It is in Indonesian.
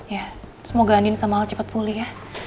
ya semoga andien sama al cepet pulih ya